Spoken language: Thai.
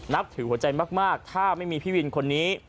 ถือหัวใจมากถ้าไม่มีพี่วินคนนี้